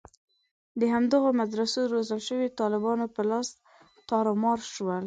د همدغو مدرسو روزل شویو طالبانو په لاس تارومار شول.